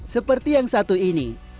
seperti yang satu ini